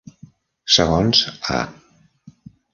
Segons A.